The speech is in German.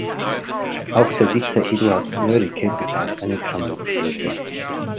Auch der Dichter Eduard Mörike besaß eine Tromlitz-Flöte.